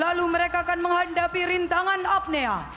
lalu mereka akan menghadapi rintangan apnea